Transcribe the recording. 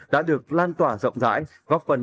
đã được lan tỏa rộng rãi góp phần